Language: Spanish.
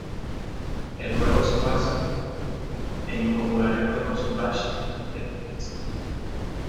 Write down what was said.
El juego se basa en los populares juegos flash de la misma serie.